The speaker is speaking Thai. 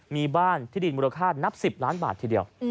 มีบ้านที่ดินมูลค่านับ๑๐ล้านบาททีเดียว